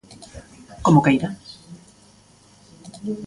Como queira.